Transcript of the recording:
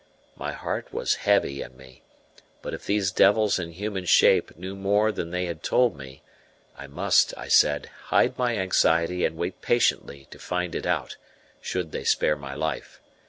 My heart was heavy in me; but if these devils in human shape knew more than they had told me, I must, I said, hide my anxiety and wait patiently to find it out, should they spare my life.